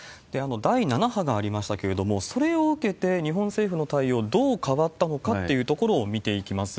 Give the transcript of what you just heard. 第７波がありましたけれども、それを受けて日本政府の対応、どう変わったのかっていうところを見ていきます。